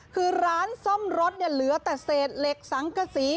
คือร้านซ่อมรถเนี่ยเหลือแต่เศษเหล็กสังกษี